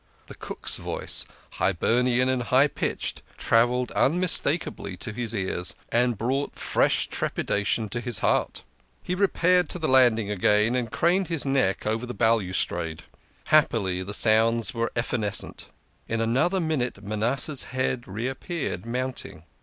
The cook's voice Hiber nian and high pitched travelled unmistakably to his ears, and brought fresh trepidation to his heart. He repaired to the landing again, and craned his neck over the balustrade. Happily the sounds were evanescent ; in another minute Manasseh's head reappeared, mounting.